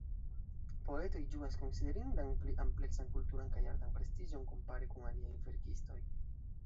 Poetoj ĝuas konsiderindan pli ampleksan kulturan kaj artan prestiĝon kompare kun aliaj verkistoj.